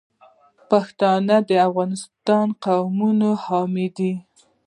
پښتانه د افغانستان د قومونو حامیان دي.